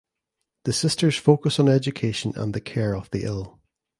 The sisters focus on education and the care of the ill.